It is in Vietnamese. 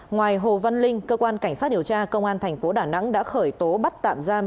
ngoài hồ văn linh cơ quan cảnh sát điều tra công an thành phố đà nẵng đã khởi tố bắt tạm giam